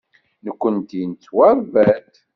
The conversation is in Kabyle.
Nekkenti nettwaṛebba-d.